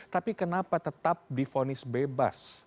tapi kenapa tetap difonis bebas